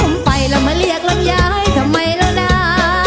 แล้วมาเรียกลำยายทำไมแล้วน่า